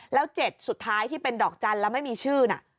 แล้ว๗สุดท้ายที่เป็นดอกจันทร์แล้วไม่มีชื่อน่ะ